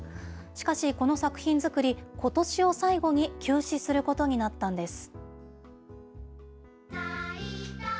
しかし、この作品作り、ことしを最後に休止することになったんです。